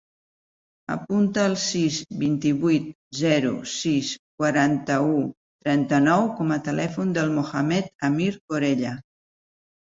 Apunta el sis, vint-i-vuit, zero, sis, quaranta-u, trenta-nou com a telèfon del Mohamed amir Corella.